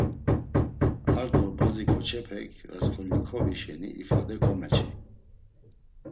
Ar do bazi ǩoçepek Rasǩolnikovi şeni ifade komeçey.